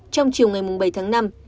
trong chiều ngày bảy tháng năm